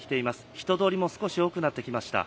人通りも少し多くなってきました。